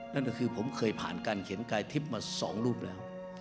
นั่นก็คือผมเคยผ่านการเขียนกายทิพย์มา๒รูปแล้ว